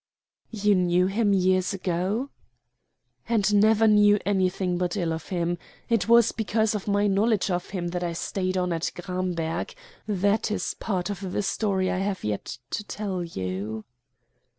"You knew him years ago?" "And never knew anything but ill of him. It was because of my knowledge of him that I stayed on at Gramberg. That is part of the story I have yet to tell you."